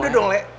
udah dong leh